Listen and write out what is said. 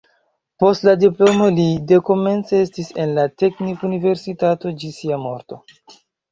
Post la diplomo li dekomence estis en la teknikuniversitato ĝis sia morto.